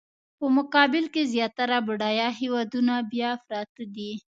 په مقابل کې زیاتره بډایه هېوادونه بیا پراته دي.